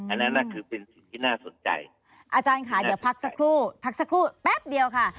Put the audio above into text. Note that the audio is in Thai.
อันนั้นน่ะคือเป็นสิ่งที่น่าสนใจอาจารย์ค่ะเดี๋ยวพักสักครู่พักสักครู่แป๊บเดียวค่ะ